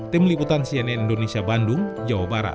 tim liputan cnn indonesia bandung jawa barat